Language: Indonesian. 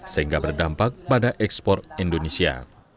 sehingga berdampak pada ekspor indonesia